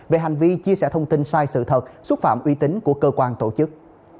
về hành vi chia sẻ thông tin sai sự thật xúc phạm uy tín của cơ quan tổ chức